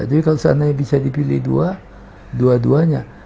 jadi kalau seandainya bisa dipilih dua dua duanya